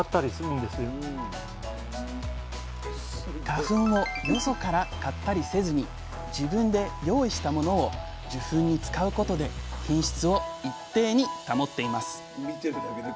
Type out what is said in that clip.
花粉をよそから買ったりせずに自分で用意したものを受粉に使うことで品質を一定に保っています。